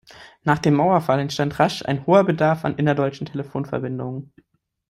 Nach dem Mauerfall entstand rasch ein hoher Bedarf an innerdeutschen Telefonverbindungen.